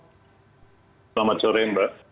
selamat sore mbak